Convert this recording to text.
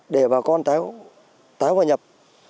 để bà con tái hòa nhập